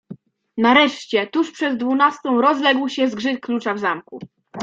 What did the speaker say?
"Nareszcie, tuż przed dwunastą rozległ się zgrzyt klucza w zamku."